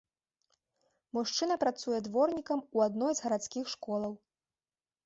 Мужчына працуе дворнікам у адной з гарадскіх школаў.